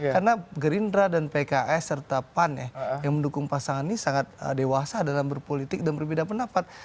karena gerindra dan pks serta pan yang mendukung pasangan ini sangat dewasa dalam berpolitik dan berbeda pendapat